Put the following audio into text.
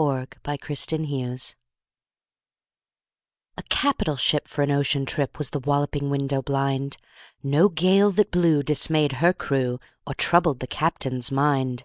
Y Z A Nautical Ballad A CAPITAL ship for an ocean trip Was The Walloping Window blind No gale that blew dismayed her crew Or troubled the captain's mind.